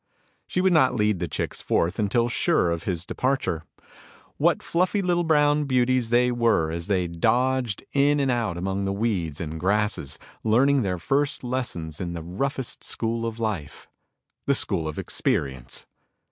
She would not lead the chicks forth until sure of his departure. What fluffy little brown beauties they were as they dodged in and out among the weeds and grasses, learning their first lessons in the roughest school of life, the school of experience!